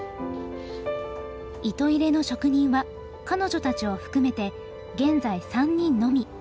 糸入れの職人は彼女たちを含めて現在３人のみ。